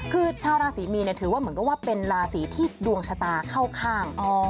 คือชาวราศรีมีนถือว่าเหมือนกับว่าเป็นราศีที่ดวงชะตาเข้าข้าง